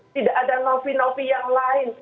tidak ada novi novi yang lain